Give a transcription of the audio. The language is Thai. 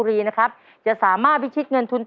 ไปปั้นไป๑๕